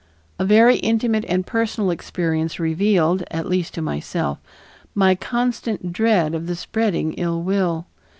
A very intimate and personal experience revealed, at least to myself, my constant dread of the spreading ill will.